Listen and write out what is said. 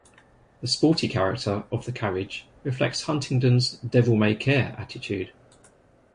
The sporty character of the carriage reflects Huntingdon's devil-may-care attitude.